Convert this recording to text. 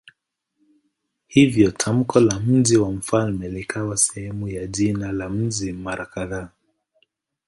Hivyo tamko la "mji wa mfalme" likawa sehemu ya jina la mji mara kadhaa.